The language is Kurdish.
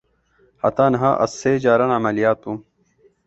Heta niha ez sê caran emeliyat bûm.